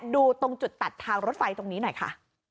ดูตรงจุดตัดทางรถไฟตรงนี้หน่อยค่ะ